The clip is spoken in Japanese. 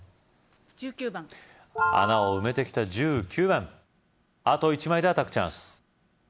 １９番穴を埋めてきた１９番あと１枚でアタックチャンス